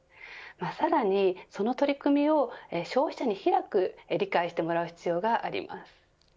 さらにその取り組みを消費者に広く理解してもらう必要があります。